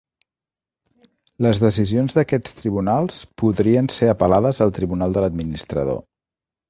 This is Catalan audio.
Les decisions d'aquests Tribunals podrien ser apel·lades al tribunal de l'Administrador.